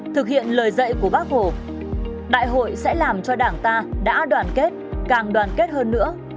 thực hiện lời dạy của bác hồ đại hội sẽ làm cho đảng ta đã đoàn kết càng đoàn kết hơn nữa